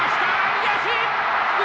右足！